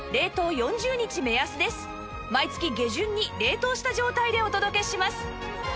毎月下旬に冷凍した状態でお届けします